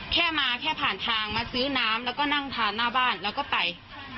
แค่มาแค่ผ่านทางมาซื้อน้ำแล้วก็นั่งทานหน้าบ้านแล้วก็ไป